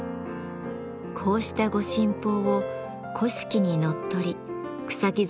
こうした御神宝を古式にのっとり草木